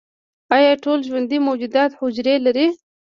ایا ټول ژوندي موجودات حجرې لري؟